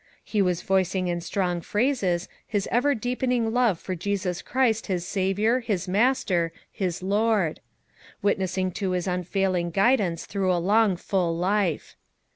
He was voic ing in strong phrases his ever deepening love for Jesus Christ his Saviour, his Master, his Lord. Witnessing to his unfailing guidance through a long full life.